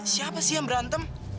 siapa sih yang berantem